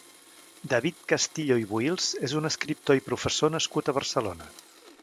David Castillo i Buïls és un escriptor i professor nascut a Barcelona.